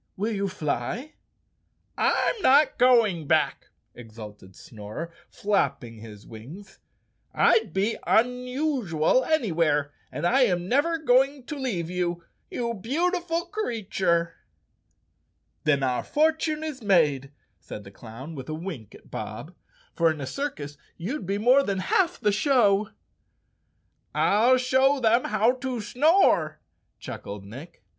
Will you fly?" "I'm not going back," exulted Snorer, flapping his wings. "I'd be unusual anywhere and I am never go¬ ing to leave you, you beautiful creature." "Then our fortune is made," said the clown, with a wink at Bob, "for in a circus you'd be more than half the show." "I'll show them how to snore," chuckled Nick.